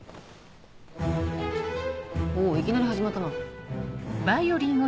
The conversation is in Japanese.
おぉいきなり始まったな。